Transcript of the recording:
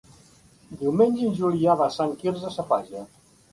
Diumenge en Julià va a Sant Quirze Safaja.